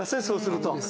そうすると。